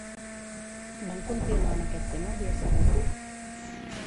Van continuar amb aquest tema al dia següent?